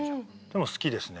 でも好きですね